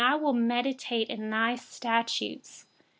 I will meditate on your statutes.